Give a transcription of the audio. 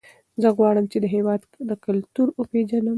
زه غواړم چې د هېواد کلتور وپېژنم.